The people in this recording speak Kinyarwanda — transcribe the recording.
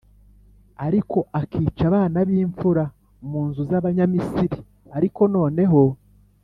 ariko akica abana b imfura mu nzu z Abanyamisiri Ariko noneho